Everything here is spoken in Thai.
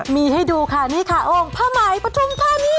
มีให้ดูค่ะนี่ค่ะองค์ผ้าไหมปฐุมธานี